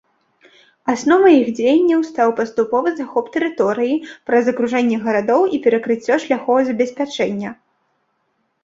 Асновай іх дзеянняў стаў паступовы захоп тэрыторыі праз акружэнне гарадоў і перакрыццё шляхоў забеспячэння.